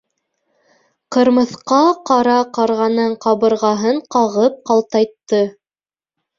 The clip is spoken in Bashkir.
— Ҡырмыҫҡа ҡара ҡарғаның ҡабырғаһын ҡағып ҡалтайтты.